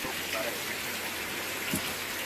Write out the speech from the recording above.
د ابدالي قبیلې مشري چا کوله؟